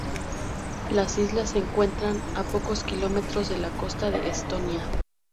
Las islas se encuentran a pocos kilómetros de la costa de Estonia.